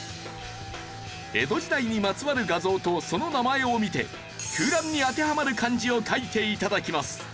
江戸時代にまつわる画像とその名前を見て空欄に当てはまる漢字を書いて頂きます。